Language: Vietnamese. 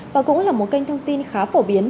và cũng là một kênh thông tin khá phổ biến